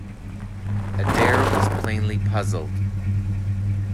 Adair was plainly puzzled.